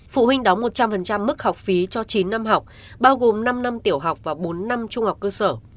phụ huynh đóng một trăm linh mức học phí cho chín năm học bao gồm năm năm tiểu học và bốn năm trung học cơ sở